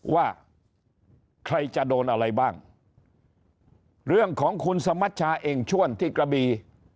ว่าใครจะโดนอะไรบ้างเรื่องของคุณสมัชชาเองชวนที่กระบี